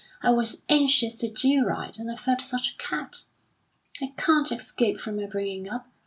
I was anxious to do right, and I felt such a cad. I can't escape from my bringing up.